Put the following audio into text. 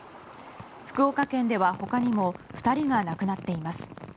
福岡県では他にも２人が亡くなっています。